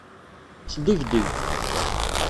Sdegdeg.